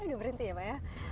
sudah berhenti ya pak ya